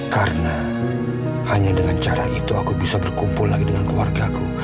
karena hanya dengan cara itu aku bisa berkumpul lagi dengan keluarga aku